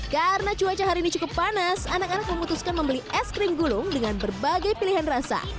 karena cuaca hari ini cukup panas anak anak memutuskan membeli es krim gulung dengan berbagai pilihan rasa